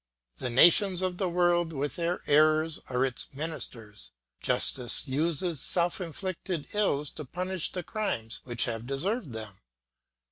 The nations of the world with their errors are its ministers. Justice uses self inflicted ills to punish the crimes which have deserved them.